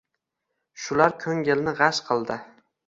Shular ko‘ngilni g‘ash qildi.